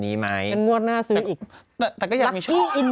งูเกลียวแต่เต้นระบำไม่หยุด